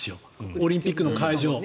オリンピックの会場。